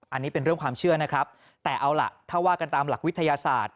อันนี้เป็นเรื่องความเชื่อนะครับแต่เอาล่ะถ้าว่ากันตามหลักวิทยาศาสตร์